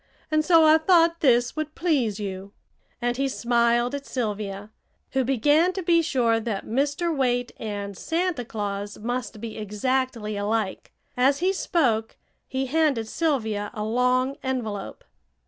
And so I thought this would please you," and he smiled at Sylvia, who began to be sure that Mr. Waite and Santa Claus must be exactly alike. As he spoke he handed Sylvia a long envelope.